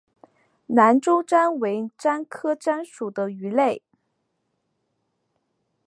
兰州鲇为鲇科鲇属的鱼类。